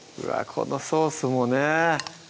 このソースもね！